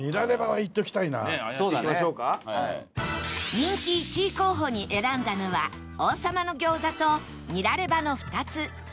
人気１位候補に選んだのは王さまの餃子とニラレバの２つ